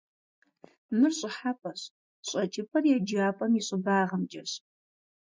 Мыр щӏыхьэпӏэщ, щӏэкӏыпӏэр еджапӏэм и щӏыбагъымкӏэщ.